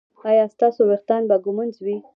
ایا ستاسو ویښتان به ږمنځ وي؟